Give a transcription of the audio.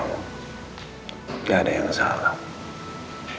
gak ada yang salah